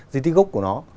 di tích gốc của nó